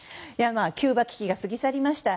キューバ危機が過ぎ去りました。